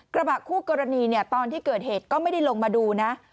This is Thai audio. กระบะคู่กรณีเนี่ยตอนที่เกิดเหตุก็ไม่ได้ลงมาดูนะ